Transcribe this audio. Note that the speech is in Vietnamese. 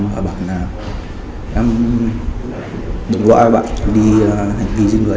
đồng gọi bạn đi hành vi dương gây